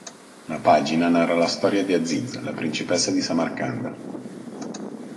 La pagina narra la storia di Aziz, la principessa di Samarcanda.